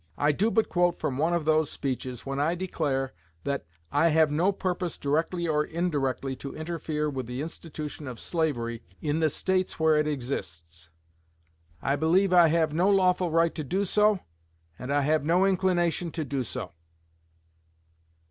I do but quote from one of those speeches when I declare that "I have no purpose, directly or indirectly, to interfere with the institution of slavery in the States where it exists. I believe I have no lawful right to do so, and I have no inclination to do so."